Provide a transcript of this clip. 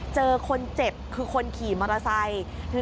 เจอคนเจ็บคือคนขี่มอเตอร์ไซค์